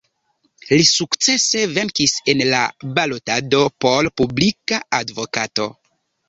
Li sukcese venkis en la balotado por Publika Advokato.